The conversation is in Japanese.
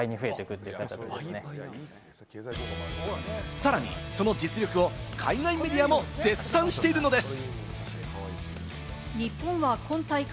さらにその実力を海外メディアも絶賛しているのです。